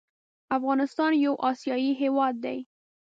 افغانستان يو اسياى هيواد دى